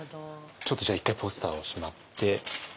ちょっとじゃあ一回ポスターをしまって。